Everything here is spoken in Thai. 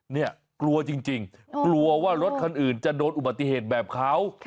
เนี่ยกลัวจริงกลัวว่ารถคันอื่นจะโดนอุบัติเหตุแบบเขา